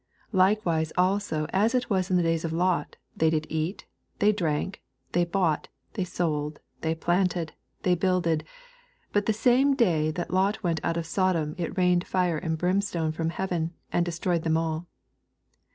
28 Likewise also as it was in the days of Lot ; they did eat, they drank, they bought, they sold, they planted, they builded ; 29 But the same day that Lot went out of Sodom it rained fire and brim stone from heaven, and destroyed them all.